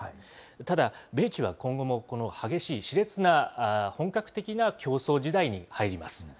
ただ、米中は今後もこの激しい、しれつな本格的な競争時代に入ります。